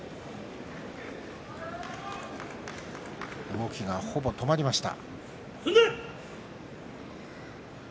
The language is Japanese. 動きがほぼ止まりました。